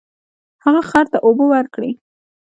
هغه خر ته اوبه ورکړې.